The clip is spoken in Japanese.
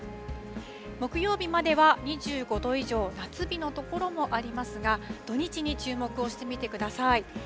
木曜日までは２５度以上、夏日の所もありますが、土日に注目をしてみてください。